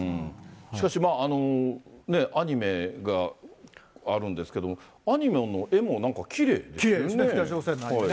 しかし、アニメがあるんですけども、アニメの絵もなんかきれきれいですね、北朝鮮のアニメね。